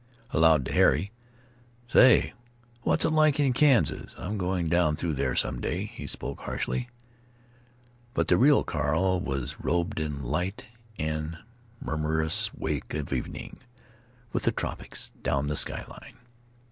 Aloud, to Harry: "Say, what's it like in Kansas? I'm going down through there some day." He spoke harshly. But the real Carl was robed in light and the murmurous wake of evening, with the tropics down the sky line.